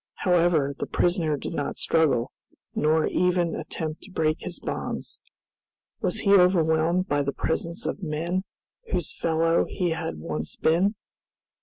However, the prisoner did not struggle, nor even attempt to break his bonds. Was he overwhelmed by the presence of men whose fellow he had once been?